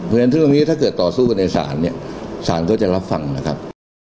เพราะฉะนั้นเรื่องนี้ถ้าเกิดต่อสู้กันในศาลเนี่ยศาลก็จะรับฟังนะครับ